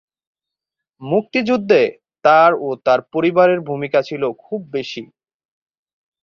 মুক্তিযুদ্ধে তার ও তার পরিবারের ভূমিকা ছিল খুব বেশি।